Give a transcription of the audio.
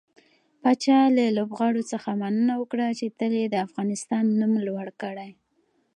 پاچا له لوبغاړو څخه مننه وکړه چې تل يې د افغانستان نوم لوړ کړى.